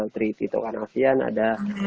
tri tito kanavian ada